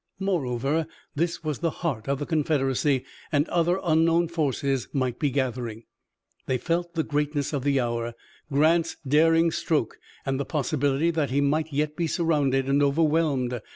Moreover, this was the heart of the Confederacy and other unknown forces might be gathering. They felt the greatness of the hour, Grant's daring stroke, and the possibility that he might yet be surrounded and overwhelmed.